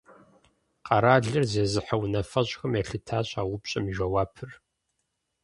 Къэралыр зезыхьэ унафэщӀхэм елъытащ а упщӀэм и жэуапыр.